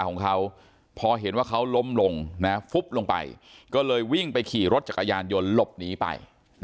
ของเขาพอเห็นว่าเขาล้มลงนะฟุบลงไปก็เลยวิ่งไปขี่รถจักรยานยนต์หลบหนีไป